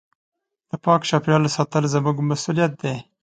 د پاک چاپېریال ساتل زموږ مسؤلیت دی.